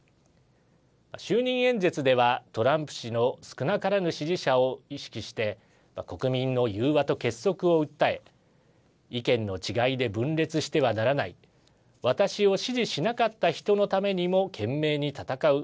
就任演説では、トランプ氏の少なからぬ支持者を意識して国民の融和と結束を訴え意見の違いで分裂してはならない私を支持しなかった人のためにも懸命に戦う。